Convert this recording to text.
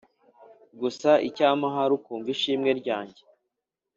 gusa icyampa ahari ukumva ishimwe ryange."